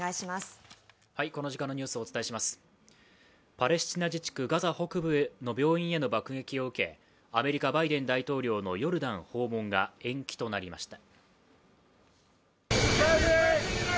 パレスチナ自治区ガザ北部の病院への爆撃を受けアメリカ、バイデン大統領のヨルダン訪問が延期となりました。